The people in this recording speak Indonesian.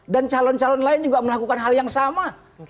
dan calon calon lain juga melakukan hal yang sama